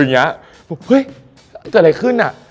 ว่าอะไรขึ้นน่ะ